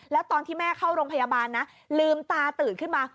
แล้วตอนที่แม่เข้าโรงพยาบาลนะลืมตาตื่นขึ้นมา